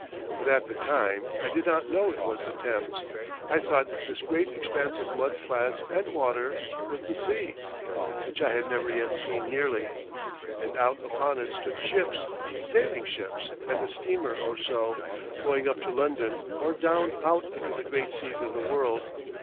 But at the time I did not know it was the Thames, I thought this great expanse of mud flats and water was the sea, which I had never yet seen nearly. And out upon it stood ships, sailing ships and a steamer or so, going up to London or down out into the great seas of the world.